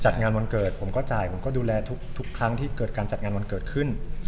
จัดงานวันเกิดผมก็จ่ายผมก็ดูแลทุกครั้งที่เกิดการจัดงานวันเกิดขึ้น